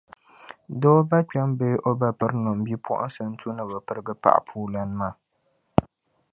Doo bakpɛma bee o bapirinima bipugiŋsi n-tu ni bɛ pirigi paɣapuulan maa